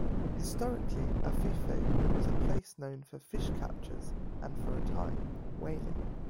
Historically, Afife was a place known for fish captures and, for a time, whaling.